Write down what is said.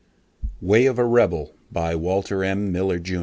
ay of a Rebel By Walter Miller, Jr.